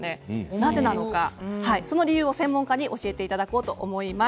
なぜなのか専門家に教えていただこうと思います。